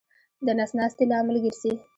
د نس ناستې لامل ګرځي.